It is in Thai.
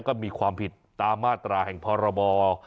ก็มีความผิดตามมาตราแห่งพรบ